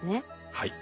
はい。